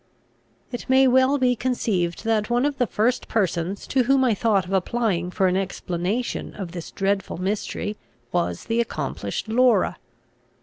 It may well be conceived, that one of the first persons to whom I thought of applying for an explanation of this dreadful mystery was the accomplished Laura.